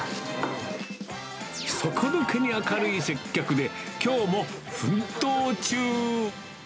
底抜けに明るい接客で、きょうも奮闘中。